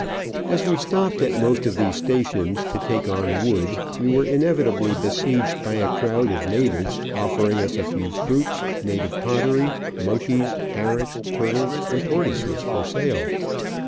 As we stopped at most of these stations to take Digitized by VjOOQIC OF AN Orchid Hunter, 57 on wood, we were inevitably besieged by a crowd of natives, offering us a few fruits, native pottery, monkeys, parrots, turtles, and tortoises for sale.